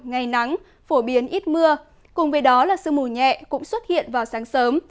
ngày nắng phổ biến ít mưa cùng với đó là sương mù nhẹ cũng xuất hiện vào sáng sớm